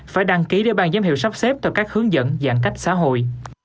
phải đăng ký để ban giám hiệu sắp xếp theo các hướng dẫn giãn cách xã hội